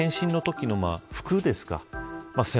健診のときの服ですか。